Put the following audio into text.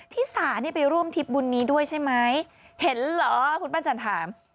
ที่สานี่ไปร่วมทิพย์บุญนี้ด้วยใช่ไหมเห็นเหรอคุณปั้นจันถาม